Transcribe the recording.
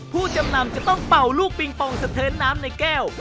ผู้จำนำจะต้องเป่าลูกปิงปองสะเทินน้ำในแก้ว